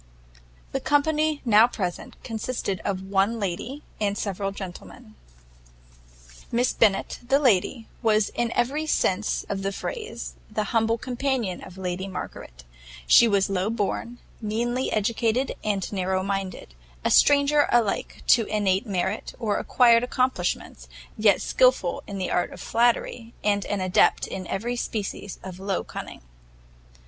The company now present consisted of one lady and several gentlemen. Miss Bennet, the lady, was in every sense of the phrase, the humble companion of Lady Margaret; she was low born, meanly educated, and narrow minded; a stranger alike to innate merit or acquired accomplishments, yet skilful in the art of flattery, and an adept in every species of low cunning.